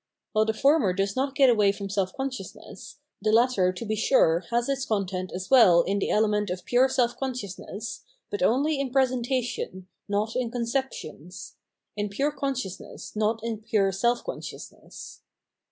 While the former does not get away from self consciousness, the latter to be sure has its content as well in the element of pure self consciousness, but only in presentation, not in conceptions — m pure consciousness, not in pure self consciousness.